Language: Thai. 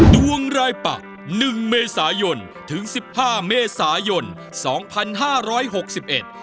ดวงรายปักหนึ่งเมษายนถึงสิบห้าเมษายนสองพันห้าร้อยหกสิบเอ็ด